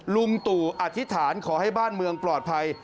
ลุงตู่อธิษฐานขอให้บ้านเมืองปลอดภัย